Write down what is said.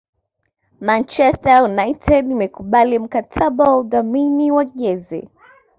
Manchester United imekubali mkataba wa udhamini wa jezi